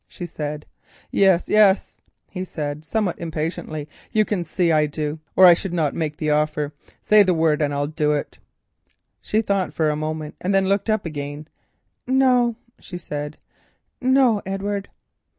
she said. "Yes, yes," he said, somewhat impatiently, "you can see I do or I should not make the offer. Say the word and I'll do it." She thought for a moment, and then looked up again. "No," she said, "no, Edward."